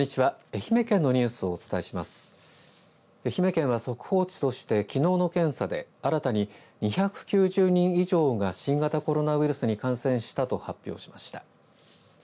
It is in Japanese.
愛媛県は速報値としてきのうの検査で新たに２９０人以上が新型コロナウイルスに感染したと発表しました。